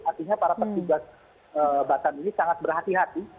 artinya para petugas batam ini sangat berhati hati